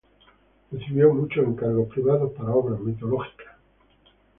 Recibió muchos encargos privados para obras mitológicas y religiosas.